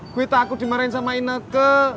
gue takut dimarahin sama ineke